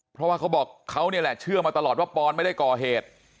เพราะว่าเขาบอกเขาเนี่ยแหละเชื่อมาตลอดว่าปอนไม่ได้ก่อเหตุ